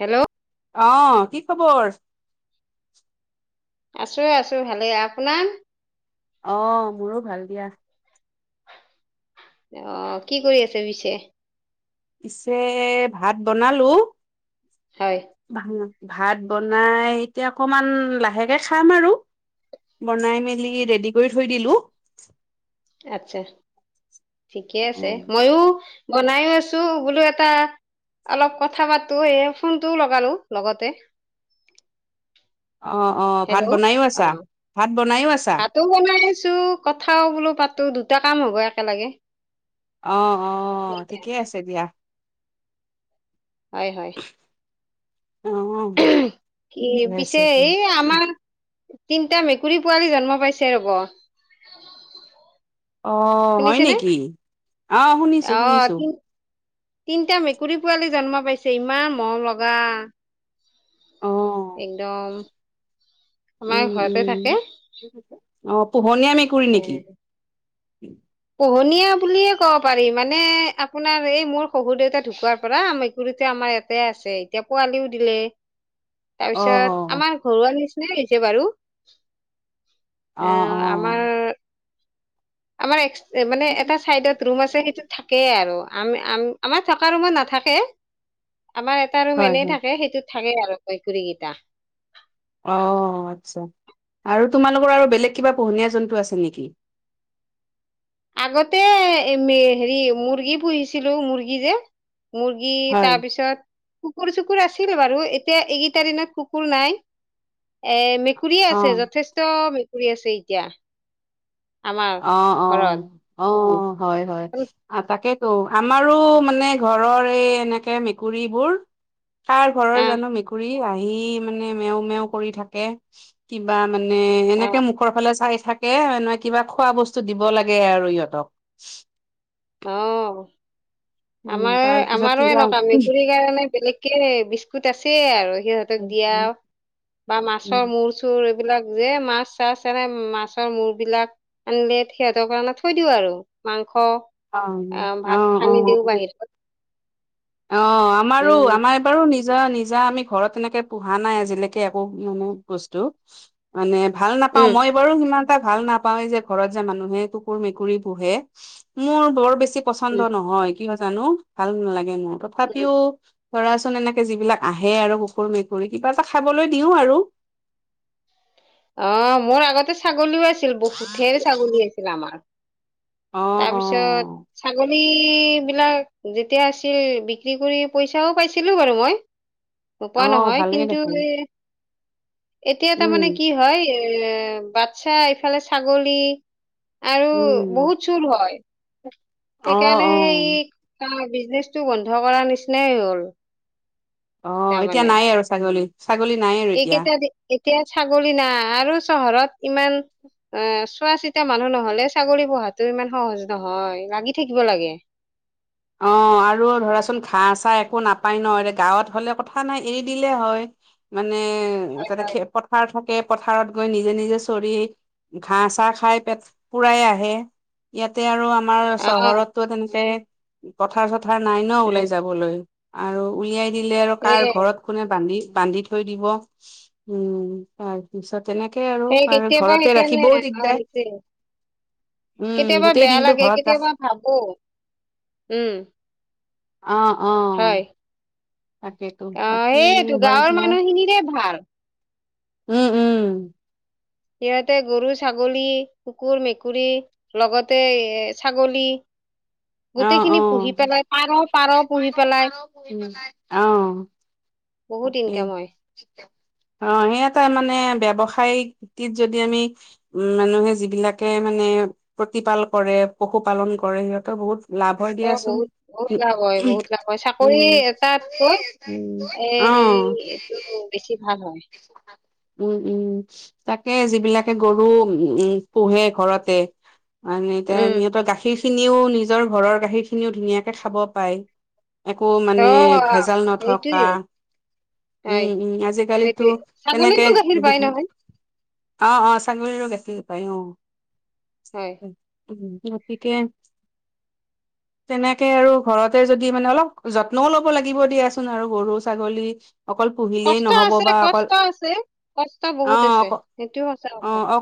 Hello আহ কি খবৰ আছো আছো ভালেই আপোনাৰ অ মোৰো ভাল দিয়া অ কি কৰি আছে পিছে পিছে ভাত বনালো হয় ভ ভাত বনাই এতিয়া অকমান লাহেকে খাম আৰু বনাই মেলি ৰেডি কৰি থৈ দিলোঁ আচ্ছা ঠিকে আছে অ', মইয়ো বনাইও আছো বোলো এটা অলপ কথা পাতো এই ফোনটোও লগালো লগতে অ অ ভাত বনাইও আছা ভাত বনাইও আছা? ভাতো বনাই আছো কথাও বোলো পাতো দুটা কাম হ'ব একেলগে। অ অ সেইকাৰণে। ঠিকেই আছে দিয়া। হয় হয়। অ কি বছোক [unintelligible] তিনিটা মেকুৰী পোৱালি জন্ম পাইছে ৰব। অ হয় শুনিছেনে নেকি? আহ শুনিছো শুনিছো তিনিটা মেকুৰী পোৱালী জন্ম পাইছে ইমান মৰম লগা। অ', একদম আমাৰ উম, ঘৰতে থাকে। উম। অ পোহনীয়া মেকুৰী এ নেকি? পোহনীয়া বুলিয়ে ক'ব পাৰি মানে আপোনাৰ এই মোৰ শহু দেউতা ঢুকোৱাৰ পৰা মেকুৰীত আমাৰ তাতে আছে এতিয়া পোৱালিও দিলে তাৰপিছত অ', আমাৰ ঘৰুৱা নিচিনাই যে বাৰু অ এ অ আমাৰ আমাৰ মানে এটা চাইডত ৰুম আছে সেইটো থাকেই আৰু। আম আমাৰ থকা ৰুমত নাথাকে আমাৰ এটা ৰুম হয় এনেই হয় থাকে সেইটোত থাকে আৰু কৈকুৰী কেইটা অ আচ্ছা, আৰু তোমালোকৰ আৰু বেলেগ কিবা পোহনীয়া জন্তু আছে নেকি? আগতে হেৰি মুৰ্গী পুহিছিলো মুৰ্গী যে মুৰ্গী হয় তাৰ পিছত কুকুৰ চুকুৰ আছে আছিল বাৰু এতিয়া এইকেইটা দিনত কুকুৰ নাই এ মেকুৰীয়ে অ আছে যথেষ্ট মেকুৰী আছে এতিয়া আমাৰ অ অ ঘৰত অ হয় হয় তাকেই ত' আমাৰো মানে ঘৰৰ এই এনেকে মেকুৰীবোৰ কাৰ ঘৰৰ আহ জানো মেকুৰী আহি মানে মেও মেও কৰি থাকে কিবা মানে এনেকে আহ মুখৰ ফালে চাই থাকেনে কিবা খোৱা বস্তু দিব লাগে আৰু ইহঁতক আহ উম আমাৰ তাৰ পিছত আমাৰো কিবা এনেকুৱা মেকুৰীৰ কাৰণে বেলেগকে বিস্কুট আছে আৰু সিহঁতক দিয়া বা মাছৰ মূৰ চুৰ বিলাক যে মাছ চানে মাছৰ মূৰ বিলাক আনিলে সিহঁতৰ কাৰণে থৈ দিও আৰু মাংস অ আহ অ ভাত সানি দিওঁ অ বাহিৰত অ আমাৰো উম, আমাৰ এবাৰো নিজ নিজা নিজা আমি ঘৰত তেনেকে পোহা নাই আজিলৈকে একো মানে বস্তু মানে ভাল নাপাওঁ উম, মই বাৰো সিমান এটা ভাল নাপাও যে ঘৰত যে মানুহে কুকুৰ মেকুৰী পোহে,, মোৰ বৰ বেছি বেছি পচন্দ উম, নহয় কিয় জানো ভাল নালাগে মোৰ, উম। তথাপিও ধৰাচোন এনেকে যিবিলাক আহে আৰু কুকুৰ মেকুৰী কিবা এটা খাবলৈ দিওঁ আৰু। [unintelligible] অ মোৰ আগতে ছাগলীও আছিল বহুত ধেৰ ছাগলী আছিল আমাৰ। অ', অ', তাৰপিছত ছাগলী পী বিলাক যেতিয়া আছিল বিক্ৰী কৰি পইচাও পাইছিলো বাৰু মই নোপোৱা অ', নহয় ভালেই কিন্তু দেখোন এ এতিয়া উম, তাৰমানে কি হয় এ বাচ্ছা এইফালে ছাগলী উম প্ৰচুৰ হয় অ', সেইকাৰণে অ', এই বিজনেচটো বন্ধ কৰাৰ নিচিনাই হ'ল অ এতিয়া তাৰমানে। নাই আৰু ছাগলী, ছাগলী নাই আৰু এতিয়া এইকেইটা দি- এতিয়া ছাগলী নাই আৰু চহৰত ইমান এ চোৱা চিতা মানুহ নহলে চাকৰি পোৱাটো ইমান সহজ নহয়, লাগি থাকিব লাগে। অ্ঁ আৰু ধৰাচোন ঘাঁ চাহ একো নাপায় ন এ গাঁৱত হলে কথা নাই এৰি দিলে হয়। মানে হয় হয়। তাতে পথাৰ পথাৰত গৈ নিজে নিজে চৰি ঘাঁ চাহ খাই পেট পুৰাই আহে। ইয়াতে আৰু আম আমাৰ অ চহৰতটো তেনেকে পথাৰ চথাৰ নাই ন ওলাই যাবলৈ। আৰু উলিয়াই দিলে আৰু কাৰ সেইয়ে ঘৰত কোনে বান্ধি বান্ধি থৈ দিব উম তাৰপিছত তেনেকে আৰু সেই আৰু কেতিয়াবা ঘৰতে সেইকাৰণে ৰাখিবও দিগদাৰ আহিছে উম কেতিয়াবা গোটেই বেয়া দিনটো লাগে ঘৰত ৰাখ কেতিয়াবা ভাবো উম অ অ! হয় তাকেতো অ বাকী সেইটো হয় গাঁৱৰ দিয়া মানুহখিনিৰে ভাল। উম উম! সিহতে গৰু ছাগলী কুকুৰ মেকুৰী লগতে এ ছাগলী [inaudible] অ গোটেই অ খিনি উম, পুহি পেলাই পাৰ পাৰ পুহি পেলাই অ বহুত তাকে ইনকাম হয়। অ সেই এটা মানে ব্যৱসায়িক যদি আমি মানুহে যিবিলাকে মানে প্ৰতিপাল কৰে পশুপালন কৰে সিহঁতেৰ বহুত লাভ তেখেতৰ দিয়াচোন। বহুত বহুত লাভ হয় বহুত লাভ হয় চাকৰি উম এটাতকৈ উ এ অ এইটো বেছি ভাল হয় উম উম! তাকে যিবিলাকে গৰু পোহে ঘৰতে মানে এতিয়া উম। সিহঁতৰ গাখীৰ খিনিও নিজৰ ঘৰৰ গাখীৰ খিনিও ধুনীয়াকে খাব পাৰে। একো অ মানে ভেজাল নথকা সেইটোৱে হয় উম উম আজিকালি তো সেইটোৱে এনেকে ছাগলীতো গাখীৰ পাই বিহু নহয় অ অ ছাগলীৰো গাখীৰ পায় অ। হয়। উম গতিকে [inaudible] তেনেকে আৰু ঘৰতে যদি মানে অলপ যত্নও লব লাগিব দিয়াচোন আৰু গৰু ছাগলী অকল পুহিলেই কষ্ট নহব আছে বা অকল কষ্ট আছে কষ্ট অ বহুত আছে অ সেইটোও সঁচা কথা। অ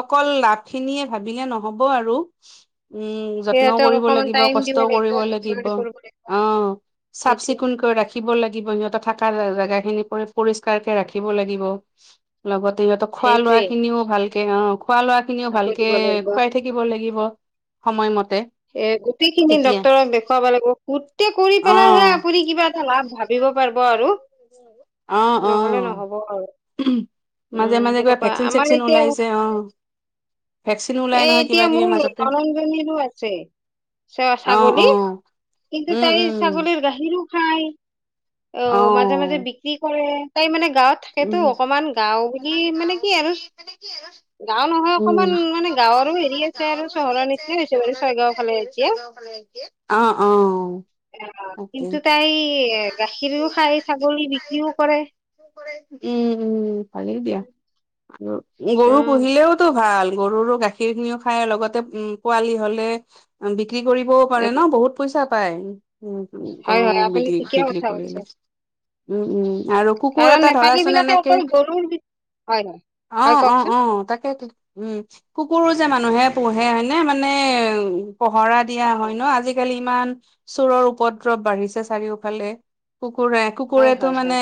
অকল লাভ খিনিয়ে ভাবিলে নহব আৰু। উম যত্নও সিহঁতক কৰিব অকমান লাগিব টাইম দিব কষ্টও কৰিব যত্ন লাগিব। কৰিব লাগিব অ চাফ সেইটোৱে চিকুণকৈ ৰাখিব লাগিব সিহঁতে থকা জোগা খিনি পৰি পৰিষ্কাৰকে ৰাখিব লাগিব লগত সিহঁতক খোৱা লোৱা সেইটোৱে খিনিও ভালকে অ খোৱা লোৱা খিনিও ভালকৈ ভালকে দিব লাগিব খুৱাই থাকিব লাগিব। সময়মতে। এ গোটেই খিনি তেতিয়া ডক্তৰক দেখুৱাব লাগিব গোটেই কৰি অ পেলাইহে আপুনি কিবা এটা লাভ ভাবিব পাৰিব আৰু অ অ নহলে নহ'ব আৰু। মাজে মাজে উম কিবা হেনেকোৱা ভেকচিন আমাৰ চেকচিন এতিয়া ওলাইছে অ ভেকচিন ওলাই এ নহয় কিবা এতিয়া কিবি মাজতে মোৰ অঞ্জনিৰো আছে। অ অ ছাগলী কিন্তু উম তাই উম ছাগলীৰ গাখীৰো খায় অ মাজে মাজে বিক্ৰী কৰে। তাই মানে গাঁৱত থাকেতো উম অকমান গাও বুলি মানে কি আৰু গাঁও নহয় উম অকমান মানে গাঁৱৰো হেৰি আছে আৰু চহৰৰ নিচিনাই অ অ! তাকে কিন্তু তাই গাখীও খায় ছাগলী বিক্ৰীও কৰে। উম উম ভালেই দিয়া আৰু গৰু উম পুহিলেওটো ভাল। গৰুৰো গাখীৰ খিনিও খাই লগতে পোৱালি হ'লে বিক্ৰী কৰিবও পাৰে ন উম বহুত পইচা পায় উম হয় গৰু হয় আপুনি বিক্ৰী ঠিকে বিক্ৰী কথা কৈছে কৰিলে উম উম আৰু কুকুৰ কাৰণ এটা ধৰা নেপালী বিলাকে এনেকে অকল গৰুৰ বি- হয় হয় অ হয় অ কওকচোন অ তাকেই। উম কুকুৰ যে মানুহে পোহে হয়নে মানে উ। পহৰা দিয়া অ হয় ন আজিকালি ইমান চোৰৰ উপদ্ৰৱ বাঢ়িছে চাৰিওফালে। কুকুৰে হয় কুকুৰেতো হয় হয় মানে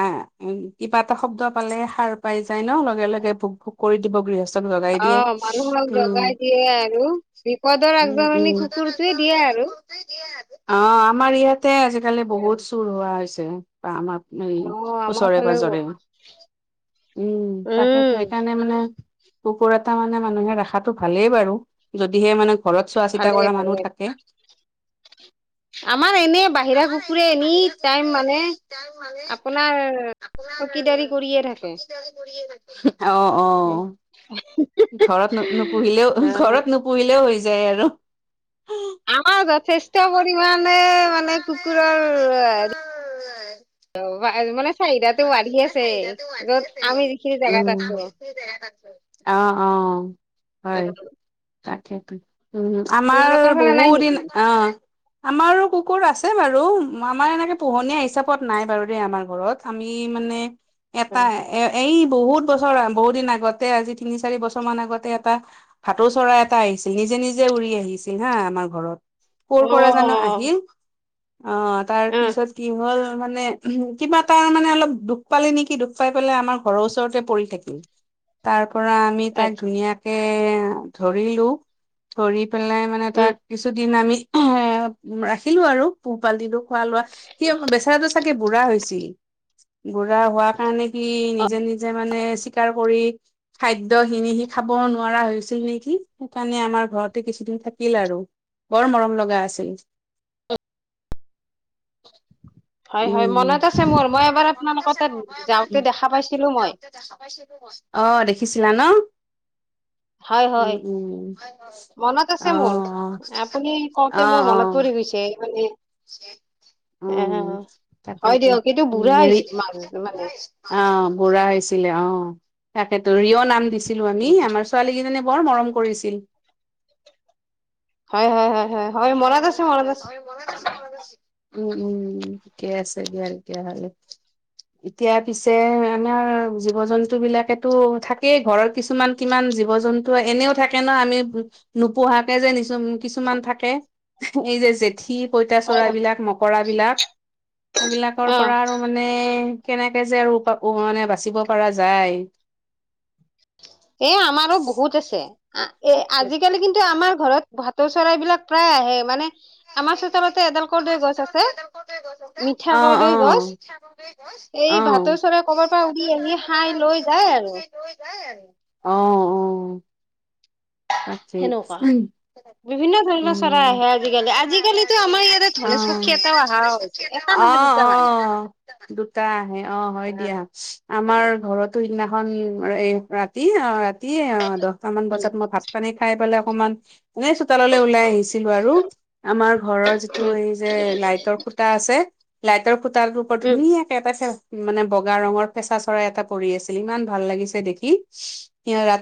আহ। উম কিবা এটা শব্দ পালে সাৰ পাই যায় ন লগে লগে ভোক ভোগ কৰি দিব গৃহস্থ। চ লগাই দিয়ে অ', মানুহক উম জগাই দিয়ে আৰু বিপদৰ উম আগজাননী উম। কুকুৰটোৱে দিয়ে আৰু। দিয়া অ আমাৰ ইয়াতে আজিকালি বহুত চুৰ হোৱা হৈছে বা আমাৰ এই অ', আমাৰ ওচৰে ফালেও পাজৰে উম তাকে উম, সেইকাৰণে মানে কুকুৰ এটা মানে মানুহে ৰাখাটো ভালেই বাৰু যদিহে মানে। ঘৰত চোৱা চিতা ভালে কৰা ভালে মানুহ থাকে। আমাৰ এনে বাহিৰা কুকুৰে এনি টাইম মানে আপোনাৰ চকীদাৰী কৰিয়ে থাকে। অ অ ঘৰত নো নুপুহিলেও অ', ঘৰত নুপুহিলেও হৈ যায় আৰু আমাৰ যথেষ্ট পৰিমণে মানে কুকুৰৰ হে য'ত আমি যিখিনি জেগাত [unintelligible] আছো। অ এক তাকেইতো উ আমাৰ ফালে নাই বহুদিন নেকি? অ। আমাৰো কুকুৰ আছে বাৰু আমাৰ এনেকে পোহনীয়া হিচাপত নাই বাৰু দেই আমাৰ ঘৰত। আমি মানে এটা অ', এ এই বহুত বছৰ বহুত দিন আগতে আজি তিনি চাৰি বছৰ মান আগতে এটা ভাতৌ চৰাই এটা আহিছিল নিজ নিজে নিজে উৰি আহিছিল হা আমাৰ ঘৰত কৰ' পৰা জানো আহিল। অ তাৰ অ', পিছত কি হ'ল মানে কিবা তাৰ মানে অলপ দুখ পালে নেকি দুখ পাই পেলাই আমাৰ ঘৰৰ ওচৰতে পৰি থাকিল তাৰ পৰা আমি তাক আচ্ছা ধুনীয়াকে ধৰিলোঁ। ধৰি পেলাই মানে উম। তাক কিছুদিন আমি এ ৰাখিলো আৰু পোহপাল দিলোঁ খোৱা লোৱা স বেচেৰাটো চাগে বুঢ়া হৈছিল বুঢ়া হোৱা কাৰণে সি নিজে নিজে মানে চীকাৰ কৰি খাদ্যখিনি সি খাব নোৱাৰা হৈছিল নেকি সেইকাৰণে আমাৰ ঘৰতে কিছুদিন থাকিল আৰু বৰ মৰম লগা আছিল। অ হয় হয় উম মনত আছে মোৰ। এবাৰ আপোনালোকৰ তাত যাওঁতে দেখা পাইছিলো মই অ দেখিছিলা ন। হয় উম হয় উম মনত আছে অ মোৰ আপুনি কওঁতে মোৰ মনত পৰি পৰি গৈছে মানে। উ অ উ হয় তাকেইতো দিয়ক এইটো উ বুঢ়া হেৰি হৈছে মাছ মানে অ বুঢ়া হৈছিল অ তাকেতো ৰিঅ নাম দিছিলো আমি আমাৰ ছোৱালী কেইজনীয়ে বৰ মৰম কৰিছিল। হয়, হয়, হয়। হয়, মনত আছে মনত হয়, আছে হয়, মনত আছে, মনত আছে। উম উম ঠিকে আছে দিয়া তেতিয়াহলে। এতিয়া পিছে আমাৰ জীৱ জন্তু বিলাকেতো থাকেই ঘৰৰ কিছুমান কিমান জীৱ জন্তু এনেও থাকে ন আমি নোপোহাকে যে কিছুমান থাকে। এই যে জেঠি হয় পইতাচোৰা হয় বিলাক মকৰা বিলাক সেই বিলাকৰ অ পৰা আৰু মানে। কেনেকে যে আৰু মানে বাচিব পৰা যায়। এ আমাৰো বহুত আছে এ আজিকালি কিন্তু আমাৰ ঘৰত ভাটৌ চৰাইবলাক প্ৰায় আহে মানে আমাৰ চোতালতে [unintelligible] এডাল কৰদৈ গছ অ আছে অ। মিঠা কৰদৈ আহ গছ এই এই ভাটৌ ভাটৌ কৰবাৰ চৰাই পৰা উৰি আহি কৰবাৰ খাই লৈ যায় পৰা আৰু লৈ যায় আৰু। আহ অ। সেনেকুৱা তাকেই বিভিন্ন ধৰণৰ উম! চৰাই আহে আজিকালি [inaudible] [unintelligible] অ আজিকালিতো আমাৰ ইয়াতে ধনেশ পক্ষী এটাও অহা হৈছে এটা নহয় অ দুটামান অ দুটা। আহে অ হয় দিয়া আমাৰ ঘৰতো সিদিনা এখন ৰাতি অ ৰাতি দহটামান উম বজাত মই ভাত পানী খাই পেলাই অকমান এনে চোতাললৈ ওলাই আহিছিলো আৰু আমাৰ ঘৰৰ যিটো উম এই যে লাইটৰ খুতা আছে লাইটৰ খু তাৰক উম পঠুনি কা খে মানে বগা ৰঙৰ পেচা চৰাই এটা পৰি আছিল ইমান ভাল লাগিছে দেখি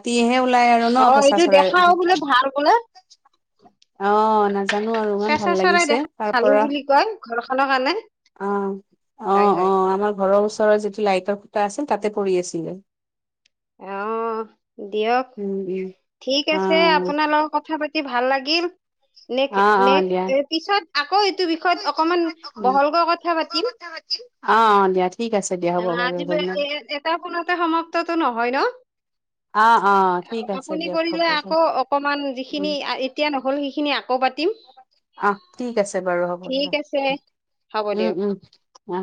তিহে ওলাই আৰু ন অ ফেচা এইটো চৰাই দেখাও বোলে ভাল বোলে অ নাজান জানো আৰু ইমান কেঁচা ভাল চৰাই লাগিছে দেখা তাৰ ভালো পৰা বুলি কয় ঘৰখনৰ কাৰণে অ অ হয় অ হয় আমাৰ ঘৰৰ ওচৰৰ যিটো লাইটৰ আছিল তাতে পৰি আছিলে। অ দিয়ক উম উম ঠিক আছে অ আপোনাৰ লগত কথা পাতি ভাল লাগিল। নে অ অ নেক্ দিয়া পিছত আকৌ এইটো বিষয়ত অকমান উম, বহলকৈ কথা পাতিম। অ অ দিয়া ঠিক আছে দিয়া হ'ব বাৰু আজি ধন্যবাদ এ এটাও কোনোতে সমাপ্ত নহয় ন অ অ ঠিক আছে আপুনি দিয়ক হ'ব কৰিলে দিয়ক আকৌ অকমান যিখিনি উম এতিয়া নহ'ল সেইখিনি আকৌ পাতিম। আহ ঠিক আছে বাৰু হ'ব ঠিক দিয়া আছে হ'ব দিয়ক উম উম উ।